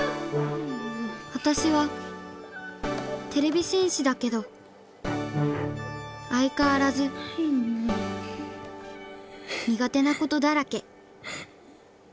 私はてれび戦士だけどあいかわらず苦手なことだらけ。